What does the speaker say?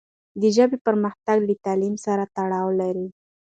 د ژبې پرمختګ له تعلیم سره تړاو لري.